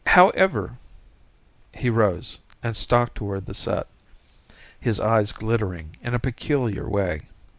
However " He rose, and stalked toward the set, his eyes glittering in a peculiar way.